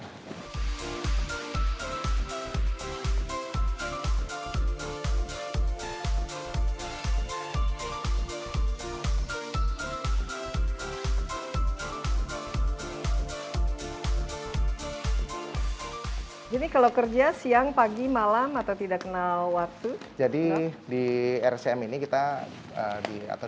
hai jadi kalau kerja siang pagi malam atau tidak kenal waktu jadi di rcm ini kita di atau